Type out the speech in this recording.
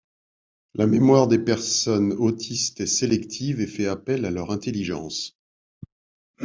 La mémoire des personnes autistes est sélective, et fait appel à leur intelligence.